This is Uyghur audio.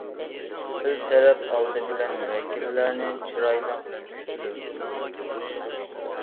قىز تەرەپ ئالدى بىلەن ۋەكىللەرنى چىرايلىق كۈتىدۇ.